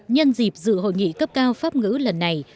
nhân dịp dự hội nghị cấp cao pháp ngữ lần này